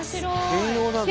兼用なんだ。